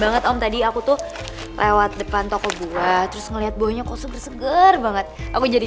banget om tadi aku tuh lewat depan toko buah terus ngeliat baunya kosong berseger banget aku jadi